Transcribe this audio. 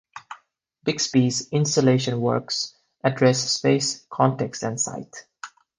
Bixby's installation works address space, context, and site.